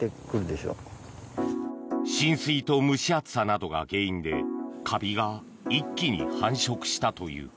浸水と蒸し暑さなどが原因でカビが一気に繁殖したという。